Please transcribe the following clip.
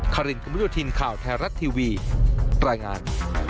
คารินคุณวิวทินข่าวแทรรัสทีวีปรายงาน